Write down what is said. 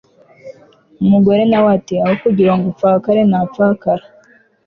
umugore na we ati 'aho kugira ngo upfakare na pfakara